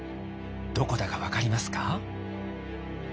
どこだか分かりますか？